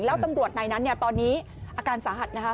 แล้วตำรวจในนั้นตอนนี้อาการสาหัสนะคะ